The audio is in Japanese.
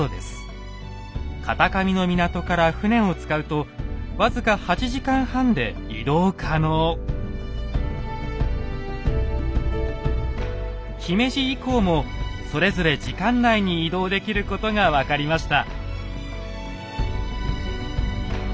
片上の港から船を使うと僅か姫路以降もそれぞれ時間内に移動できることが分かりました。